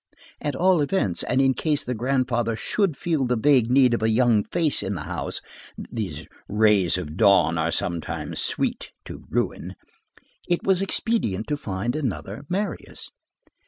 At all events and in case the grandfather should feel the vague need of a young face in the house,—these rays of dawn are sometimes sweet to ruin,—it was expedient to find another Marius.